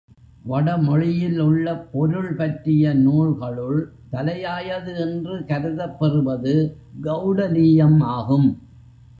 வடமொழியில் உள்ள பொருள் பற்றிய நூல்களுள் தலையாயது என்று கருதப் பெறுவது கெளடலீயம் ஆகும்.